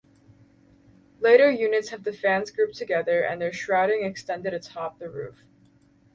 Later units have the fans grouped together, and their shrouding extended atop the roof.